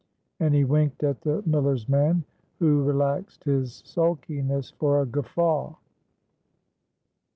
And he winked at the miller's man, who relaxed his sulkiness for a guffaw.